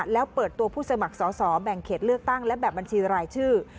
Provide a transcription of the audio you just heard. แล้วเปิดตัวผู้สมัครสอสอแบ่งเขตเลือกตั้งและแบบบัญชีรายชื่อ